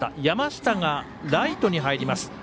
山下がライトに入ります。